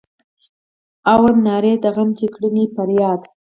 اورم نارې د غم چې کړینه فریاد.